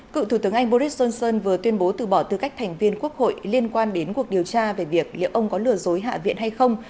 cựu thủ tướng anh boris johnson vừa tuyên bố từ bỏ tư cách thành viên quốc hội liên quan đến cuộc điều tra về việc liệu ông có lừa dối hạ viện hay không